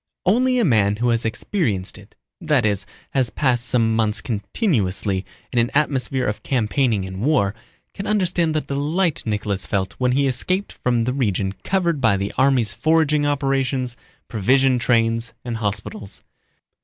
Only a man who has experienced it—that is, has passed some months continuously in an atmosphere of campaigning and war—can understand the delight Nicholas felt when he escaped from the region covered by the army's foraging operations, provision trains, and hospitals.